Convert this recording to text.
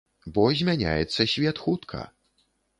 Бо змяняецца свет хутка.